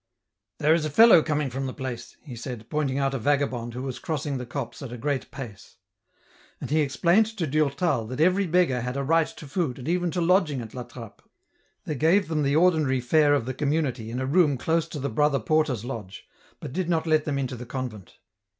" There is a fellow coming from the place," he said, pointing out a vagabond, who was crossing the copse at a great pace. And he explained to Durtal that every beggar had a right to food and even to lodging at La Trappe ; they gave 152 EN ROUTE. them the ordinary fare of the community in a room close to the brother porter's lodge, but did not let them into the convent.